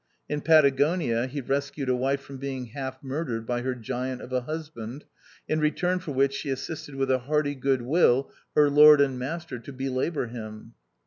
In Patagonia he rescued a wife from being half murdered by her eiant of a husband — in return for which she assisted with a hearty good will her lord and master to belabour him.